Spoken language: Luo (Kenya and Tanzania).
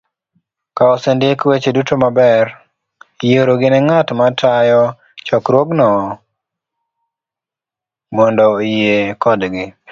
Ka osendik weche duto maber, iorogi ne ng'at matayo chokruogno mondo oyie kodgi